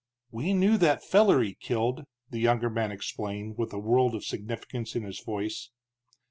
"We knew that feller he killed," the younger man explained, with a world of significance in his voice.